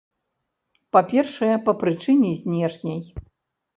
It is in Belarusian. Па-першае, па прычыне знешняй.